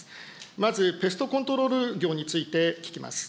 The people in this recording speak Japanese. まず、ペストコントロール業について、聞きます。